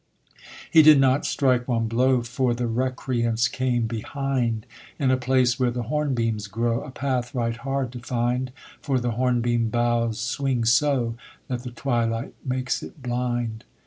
He did not strike one blow, For the recreants came behind, In a place where the hornbeams grow, A path right hard to find, For the hornbeam boughs swing so, That the twilight makes it blind.